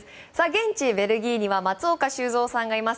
現地ベルギーには松岡修造さんがいます。